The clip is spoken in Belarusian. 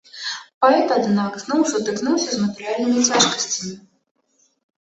Паэт, аднак, зноў сутыкнуўся з матэрыяльнымі цяжкасцямі.